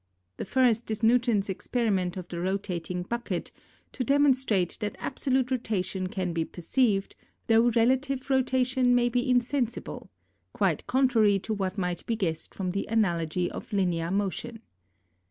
The first is Newton's experiment of the rotating bucket, to demonstrate that absolute rotation can be perceived, though relative rotation .may be insensible, quite contrary to what might be guessed from the analogy of linear motion.